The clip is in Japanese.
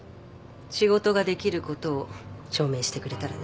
仕事ができることを証明してくれたらね。